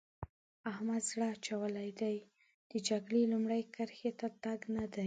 احمد زړه اچولی دی؛ د جګړې لومړۍ کرښې ته د تګ نه دی.